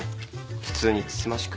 普通につつましく。